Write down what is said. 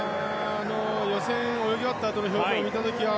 予選泳ぎ終わったあとの表情を見た時は